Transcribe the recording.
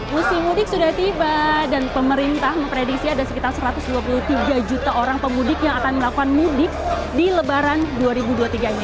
musim mudik sudah tiba dan pemerintah memprediksi ada sekitar satu ratus dua puluh tiga juta orang pemudik yang akan melakukan mudik di lebaran dua ribu dua puluh tiga ini